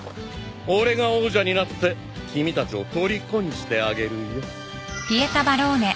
俺が王者になって君たちをとりこにしてあげるよ。